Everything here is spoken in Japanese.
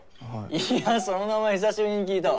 いやその名前久しぶりに聞いたわ。